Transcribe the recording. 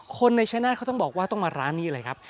คนในชายนาฏเขาต้องบอกว่าต้องมาร้านนี้เลยครับ